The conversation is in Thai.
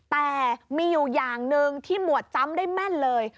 แต่มีอยู่อย่างหนึ่งที่หมวดจำได้แม่นเลย